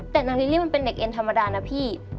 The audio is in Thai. แต่นางลิลลี่มันเป็นเด็กเอ็นธรรมดานะพี่